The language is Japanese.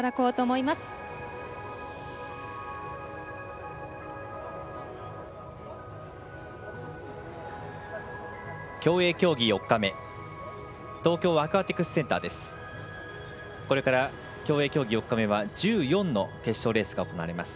これから競泳競技４日目は１４の決勝レースが行われます。